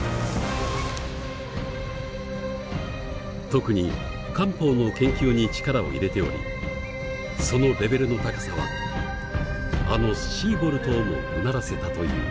特に漢方の研究に力を入れておりそのレベルの高さはあのシーボルトをもうならせたという。